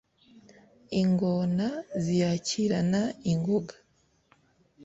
ingona ziyakirana ingoga